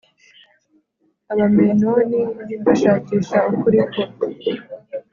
Abamenoni bashakisha ukuri ko